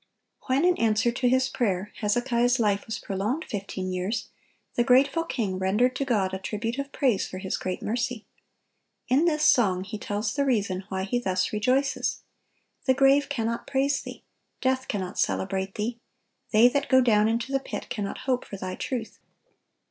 (963) When, in answer to his prayer, Hezekiah's life was prolonged fifteen years, the grateful king rendered to God a tribute of praise for His great mercy. In this song he tells the reason why he thus rejoices: "The grave cannot praise Thee, death cannot celebrate Thee: they that go down into the pit cannot hope for Thy truth.